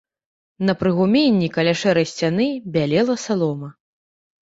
На прыгуменні, каля шэрай сцяны, бялела салома.